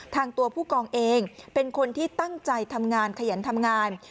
ตัวผู้กองเองเป็นคนที่ตั้งใจทำงานขยันทำงาน